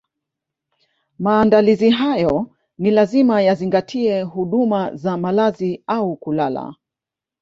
Maandalizi hayo ni lazima yazingatie huduma za malazi au kulala